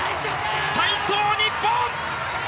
体操日本！